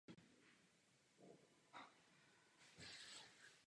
Byl zaveden také na některých ostrovech Střední Ameriky.